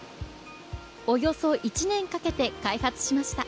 およそ１年かけて開発しました。